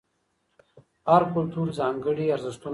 هر کلتور ځانګړي ارزښتونه لري.